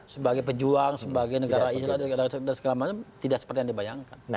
sebagai pejuang sebagai negara islam dan segala macam tidak seperti yang dibayangkan